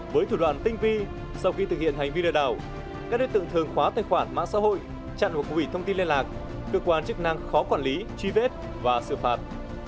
với thủ đoạn tinh vi sau khi thực hiện hành vi lừa đảo các đối tượng thường khóa tài khoản mạng xã hội chặn hoặc hủy thông tin liên lạc cơ quan chức năng khó quản lý truy vết và xử phạt